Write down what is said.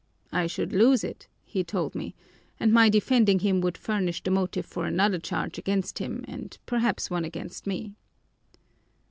'I should lose it,' he told me, 'and my defending him would furnish the motive for another charge against him and perhaps one against me.